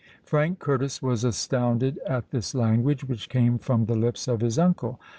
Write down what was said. Frank Curtis was astounded at this language which came from the lips of his uncle.